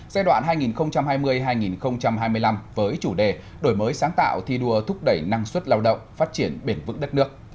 giai đoạn hai nghìn hai mươi hai nghìn hai mươi năm với chủ đề đổi mới sáng tạo thi đua thúc đẩy năng suất lao động phát triển bền vững đất nước